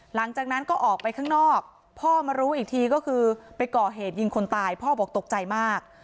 หลังจากนั้นก็ออกไปข้างนอกพ่อมารู้อีกทีก็คือไปก่อเหตุยิงคนตายพ่อบอกตกใจมาก